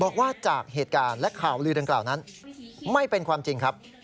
บอกว่าจากเหตุการณ์และข่าวลือดังกล่าวนั้นไม่เป็นความจริงครับ